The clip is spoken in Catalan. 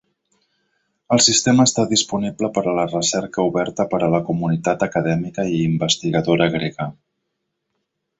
El sistema està disponible per a la recerca oberta per a la comunitat acadèmica i investigadora grega.